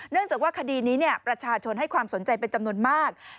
จากว่าคดีนี้ประชาชนให้ความสนใจเป็นจำนวนมาก